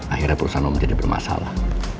akhirnya perusahaan om jadi bermasalah